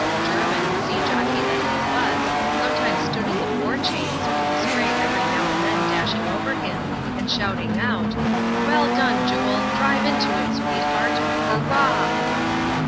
Jermin, sea jockey that he was, sometimes stood in the fore chains, with the spray every now and then dashing over him, and shouting out, " Well done, Jule — drive into it, sweetheart ! Hurrah